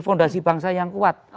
fondasi bangsa yang kuat